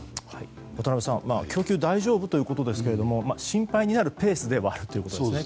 渡辺さん供給が大丈夫ということですが心配になるペースではあるということですね。